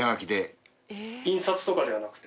印刷とかではなくて？